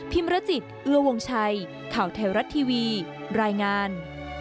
มรจิตเอื้อวงชัยข่าวไทยรัฐทีวีรายงาน